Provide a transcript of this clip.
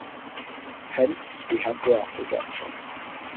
Hence we have graph reduction.